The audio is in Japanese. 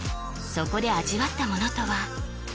そこで味わったものとは？